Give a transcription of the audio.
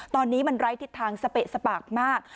ตอนนี้มันไร้ทิศทางสเปะสปากมาก